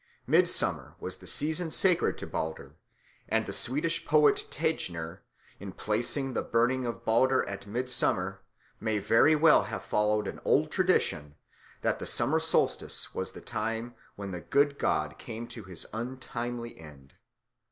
Midsummer was the season sacred to Balder, and the Swedish poet Tegner, in placing the burning of Balder at midsummer, may very well have followed an old tradition that the summer solstice was the time when the good god came to his untimely end.